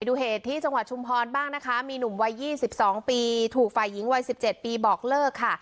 ดูเหตุที่จังหวัดชุมพรบ้างนะคะมีหนุ่มวัย๒๒ปีถูกฝ่ายหญิงวัย๑๗ปีบอกเลิกค่ะ